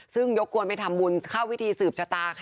ซึ่งยกกวนไปทำบุญเข้าพิธีสืบชะตาค่ะ